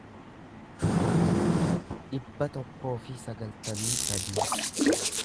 dhibba tokkoo fi sagaltamii sadii